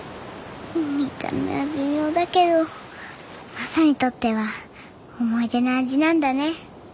見た目は微妙だけどマサにとっては思い出の味なんだね。